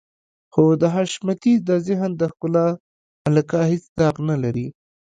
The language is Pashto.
خو د حشمتي د ذهن د ښکلا ملکه هېڅ داغ نه لري.